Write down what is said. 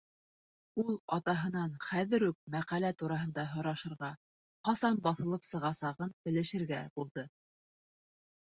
Ул атаһынан хәҙер үк мәҡәлә тураһында һорашырға, ҡасан баҫылып сығасағын белешергә булды.